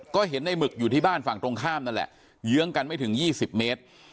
ก็เห็นในหมึกอยู่ที่บ้านฝั่งตรงข้ามนั่นแหละเยื้องกันไม่ถึง๒๐เมตร